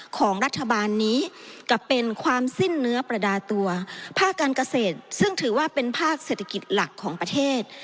ของรัฐบาลนี้กลับเป็นความสิ้นเนื้อประดาตัวภาคการเกษตรซึ่งถือว่าเป็นภาคเศรษฐกิจหลักของประเทศ